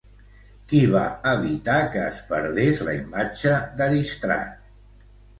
Qui va evitar que es perdés la imatge d'Aristrat?